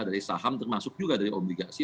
dari saham termasuk juga dari obligasi